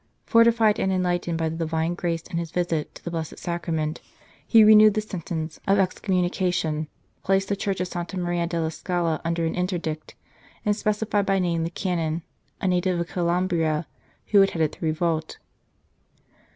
Fortified and enlightened by the Divine grace in his visit to the Blessed Sacrament, he renewed the sentence of excommunication, placed the Church of Santa Maria della Scala under an interdict, and specified by name the Canon a native of Calabria who had headed the revolt.